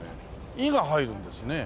「い」が入るんですね。